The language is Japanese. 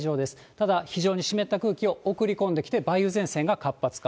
ただ、非常に湿った空気を送り込んできて、梅雨前線が活発化。